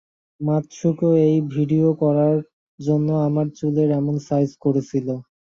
মাতসুকো এই ভিডিও করার জন্য আমার চুলের এমন সাইজ করেছিল।